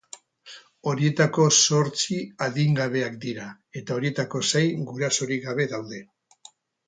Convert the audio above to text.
Horietako zortzi adingabeak dira, eta horietako sei gurasorik gabe daude.